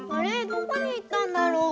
どこにいったんだろう？